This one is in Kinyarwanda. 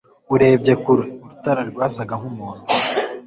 urebye kure, urutare rwasaga nkumuntu